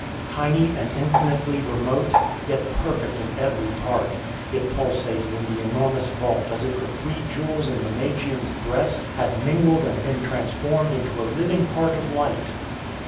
Tiny and infinitely remote, yet perfect in every part, it pulsated in the enormous vault as if the three jewels in the Magian's breast had mingled and been transformed into a living heart of light.